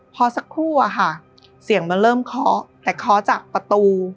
พอสักครู่อะค่ะเสียงมันเริ่มเคาะแต่เคาะจากประตู